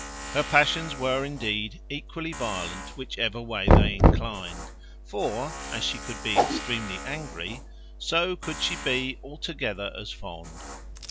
Her passions were indeed equally violent, whichever way they inclined; for as she could be extremely angry, so could she be altogether as fond.